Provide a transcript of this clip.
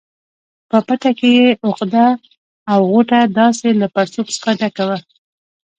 په پټه کې یې عقده او غوټه داسې له پړسوب څخه ډکه وه.